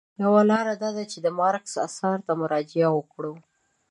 یوه لاره دا ده چې د مارکس اثارو ته مراجعه وکړو.